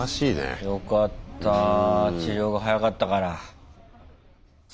よかった治療が早かったから。